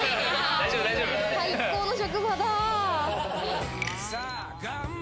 最高の職場だ。